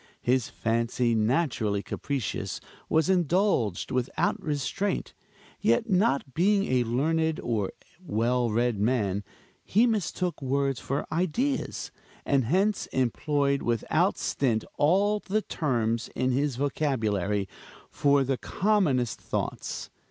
His fancy naturally capricious, was indulged without restraint; yet not being a learned or well read man, he mistook words for ideas, and hence employed without stint all the terms in his vocabulary for the commonest thoughts.